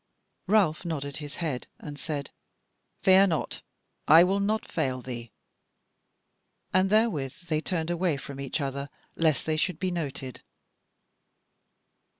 Ralph nodded his head, and said: "Fear not, I will not fail thee." And therewith they turned away from each other lest they should be noted.